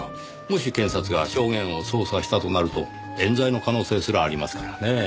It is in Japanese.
もし検察が証言を操作したとなると冤罪の可能性すらありますからねぇ。